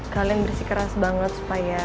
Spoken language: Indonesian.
kalian bersih keras banget supaya